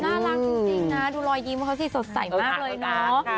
น่ารักจริงนะดูรอยยิ้มเขาสิสดใสมากเลยเนาะ